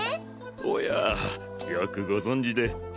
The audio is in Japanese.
おやよくご存じで。